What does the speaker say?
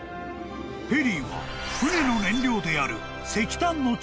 ［ペリーは船の燃料である］